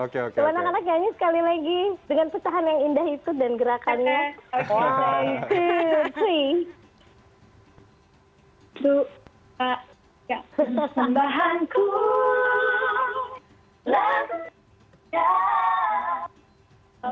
kayaknya anak anak yang nyanyi saya tepuk tangan